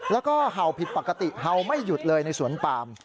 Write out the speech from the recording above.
แล้วก็เห่าผิดปกติเห่าไม่หยุดเลยในสวนปาม